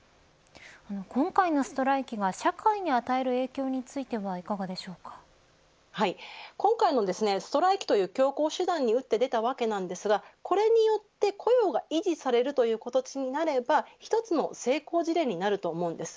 今回のストライキは社会に与える影響については今回のストライキという強硬手段に打って出たわけですがこれによって雇用が維持されるということになれば１つの成功事例になると思います。